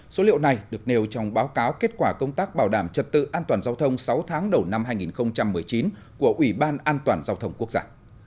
số liệu này được nêu trong báo cáo kết quả công tác bảo đảm trật tự an toàn giao thông sáu tháng đầu năm hai nghìn một mươi chín của ủy ban an toàn giao thông quốc gia